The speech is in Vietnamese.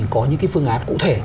có những cái phương án cụ thể